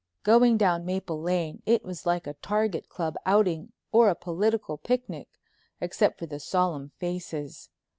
Going down Maple Lane it was like a target club outing or a political picnic, except for the solemn faces.